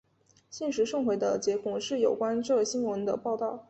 现时送回的结果是有关这新闻的报道。